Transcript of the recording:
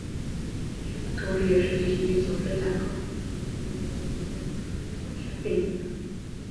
此商标同时也是迪士尼首次将各部不同作品的人物集结起来并推出相关的商品。